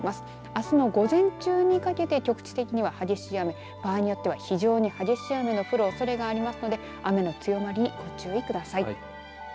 あすの午前中にかけて局地的には激しい雨場合によっては非常に激しい雨が降るおそれがありますので雨の強まりにご注意ください。